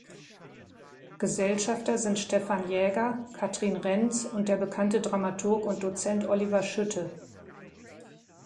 Gesellschafter sind Stefan Jäger, Katrin Renz und der bekannte Dramaturg und Dozent Oliver Schütte.